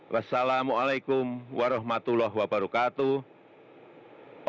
wassalamu'alaikum warahmatullahi wabarakatuh